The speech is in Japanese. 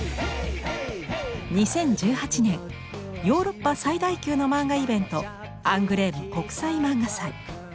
２０１８年ヨーロッパ最大級の漫画イベント「アングレーム国際漫画祭」。